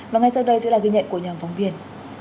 và ngay sau đây sẽ là ghi nhận của nhóm phóng viên